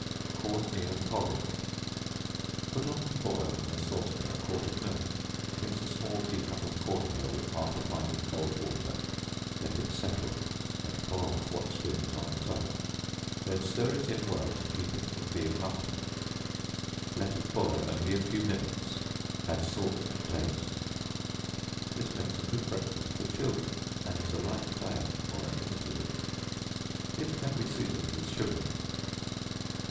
Corn Meal Porridge. Put on to boil in a sauce pan a quart of milk, mix a small tea cup of corn meal with half a pint of cold water, (let it settle, and pour off what swims on the top,) then stir it in well to keep it from being lumpy; let it boil only a few minutes; add salt to the taste. This makes a good breakfast for children, and is a light diet for an invalid. It can be seasoned with sugar.